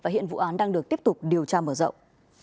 hiện vụ án đang được tiếp tục điều tra mở rộng